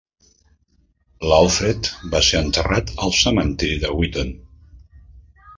L'Alfred va ser enterrat al cementiri de Wheaton.